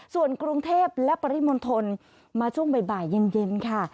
ส่วนกรุงเทพและปริมณฑลมาช่วงบ่ายเย็นค่ะ